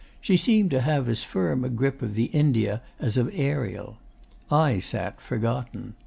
She seemed to have as firm a grip of India as of "Ariel." I sat forgotten.